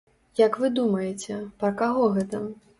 Як вы думаеце, пра каго гэта?